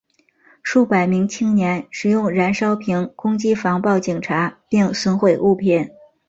数百名青年使用燃烧瓶攻击防暴警察并损毁物品。